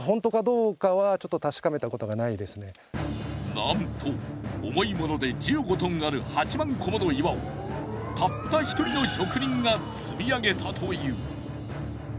なんと重いもので１５ｔある８万個もの岩をたった１人の職人が積み上げたという。